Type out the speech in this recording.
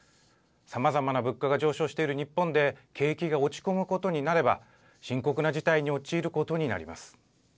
さまざまな物価が上昇している日本で景気が落ち込むことになれば深刻な事態に陥ることになります。